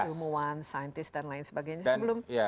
ilmuwan saintis dan lain sebagainya sebelum